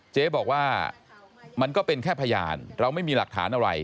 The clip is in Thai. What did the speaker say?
เจ๊บอกว่ามันก็เป็นแค่พยานเราไม่มีหลักฐานอะไร